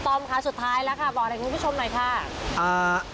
อมค่ะสุดท้ายแล้วค่ะบอกอะไรคุณผู้ชมหน่อยค่ะอ่า